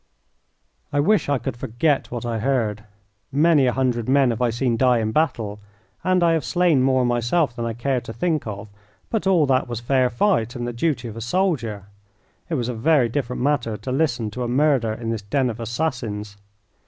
I wish I could forget what I heard. Many a hundred men have I seen die in battle, and I have slain more myself than I care to think of, but all that was fair fight and the duty of a soldier. It was a very different matter to listen to a murder in this den of assassins.